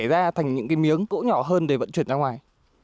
chúng đã xảy ra thành những cái miếng gỗ nhỏ hơn để vận chuyển ra ngoài